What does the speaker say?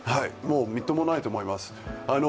みっともないと思います。